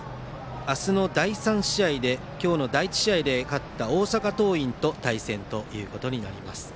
明日の第３試合で今日の第１試合で勝った大阪桐蔭と対戦となります。